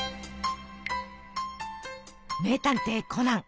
「名探偵コナン」。